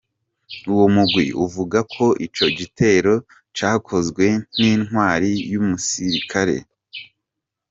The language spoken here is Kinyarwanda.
Uwo mugwi uvuga ko ico gitero cakozwe "n'intwari y'umusirikare".